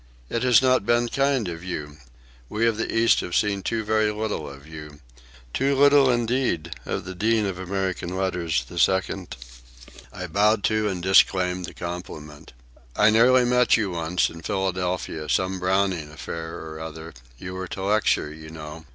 "It has not been kind of you. We of the East have seen so very little of you—too little, indeed, of the Dean of American Letters, the Second." I bowed to, and disclaimed, the compliment. "I nearly met you, once, in Philadelphia, some Browning affair or other—you were to lecture, you know.